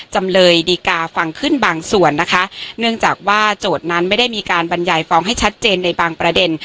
จำเลยดีกาฟังขึ้นบางส่วนนะคะเนื่องจากว่าโจทย์นั้นไม่ได้มีการบรรยายฟ้องให้ชัดเจนในบางประเด็น